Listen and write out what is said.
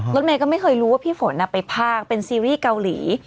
รถเมย์ก็ไม่เคยรู้ว่าพี่ฝนไปภาคเป็นซีรีส์เกาหลี